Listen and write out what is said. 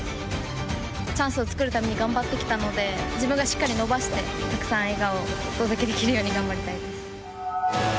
◆チャンスを作るために頑張ってきたので、自分がしっかり伸ばしてたくさん笑顔をお届けできるように、頑張りたいです。